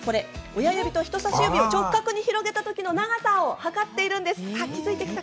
親指と人さし指を直角に広げた時の長さを測っているんです。